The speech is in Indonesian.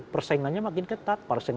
persaingannya makin ketat